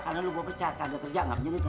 karena lo bawa pecat kaget kerja nggak penyelidikan